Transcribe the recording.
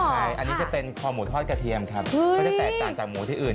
ใช่อันนี้จะเป็นคอหมูทอดกระเทียมครับก็จะแตกต่างจากหมูที่อื่น